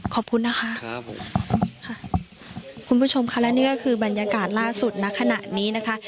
ขอบคุณน่ะค่ะคุณผู้ชมคะแล้วนี่ก็คือบรรยากาศล่าสุดขนาดนี้นะคะ